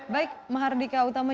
baik mahardika utama